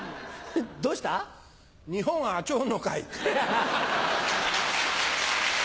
どうした⁉日本アチョの会。